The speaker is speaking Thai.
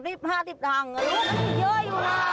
ลูกนี่เยอะอยู่น่ะ